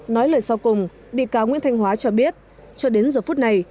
nói lời sau cùng bị cáo nguyễn thanh hóa cho biết cho đến giờ phút này